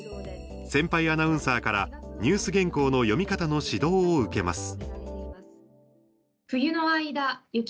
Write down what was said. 先輩アナウンサーからニュース原稿の読み方の指導を受けます。